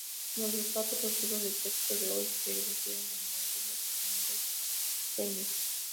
Como resultado, los libros de texto de hoy se refieren al modelo Mundell-Fleming.